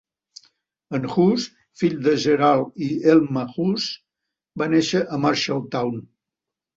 En Huss, fill de Gerald i Elma Huss, va nàixer a Marshalltown.